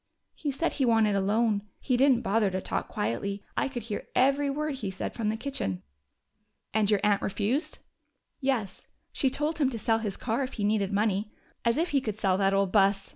"He said he wanted a loan. He didn't bother to talk quietly: I could hear every word he said from the kitchen." "And your aunt refused?" "Yes. She told him to sell his car if he needed money. As if he could sell that old bus!"